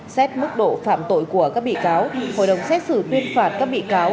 xét mức độ phạm tội của các bị cáo hội đồng xét xử tuyên phạt các bị cáo